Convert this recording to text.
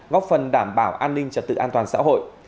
góp phần đảm bảo an ninh trật tự an toàn xã hội